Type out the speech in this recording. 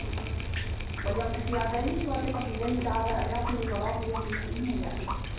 وَلْيَمْضِ فِي عَزَائِمِهِ وَاثِقًا بِاَللَّهِ تَعَالَى إنْ أُعْطِيَ وَرَاضِيًا بِهِ إنْ مُنِعَ